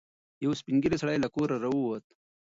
یو سپین ږیری سړی له کوره راووت.